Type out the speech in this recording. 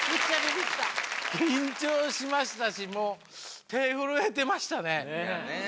緊張しましたしもう手震えてましたね。ねぇ。